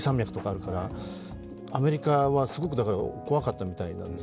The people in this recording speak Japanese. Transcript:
だからアメリカは、すごく怖かったみたいなんです。